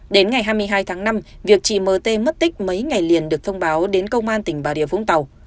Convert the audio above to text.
đến ngày hai mươi hai tháng năm việc chị m t mất tích mấy ngày liền được thông báo đến công an tỉnh bà rịa vũng tàu